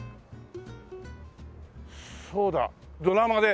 そうだドラマで。